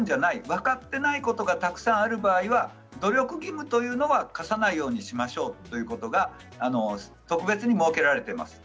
分かっていないことがたくさんある場合は努力義務は課さないようにしましょうということが特別に設けられています。